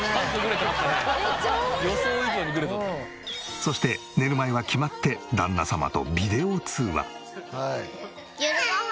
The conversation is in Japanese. そして寝る前は決まって旦那様とビデオ通話。